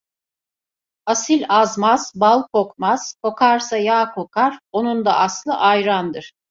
Asil azmaz, bal kokmaz, kokarsa yağ kokar, onun da aslı ayrandır.